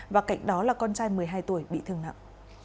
và cạnh đó là con trai một mươi hai tuổi bị thương nặng